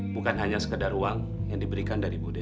bukan hanya sekedar uang yang diberikan dari budaya